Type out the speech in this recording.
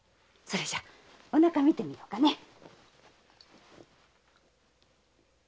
それじゃあお腹診てみようかね。